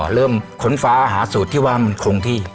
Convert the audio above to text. ค้นฟ้าหาสูตรที่ว่ามันคงที่